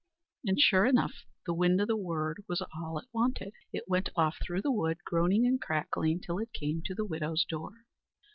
And sure enough the wind o' the word was all it wanted. It went off through the wood, groaning and crackling, till it came to the widow's door.